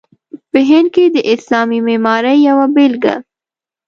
په هند کې د اسلامي معمارۍ یوه بېلګه.